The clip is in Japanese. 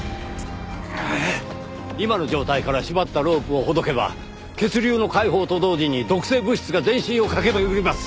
今の状態から縛ったロープをほどけば血流の解放と同時に毒性物質が全身を駆け巡ります。